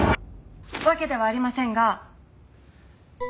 わけではありませんが。